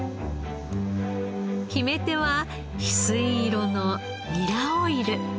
決め手は翡翠色のニラオイル。